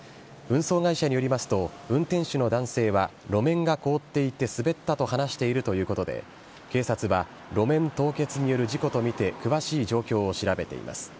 運送会社によりますと、運転手の男性は、路面が凍っていて滑ったと話しているということで、警察は、路面凍結による事故と見て詳しい状況を調べています。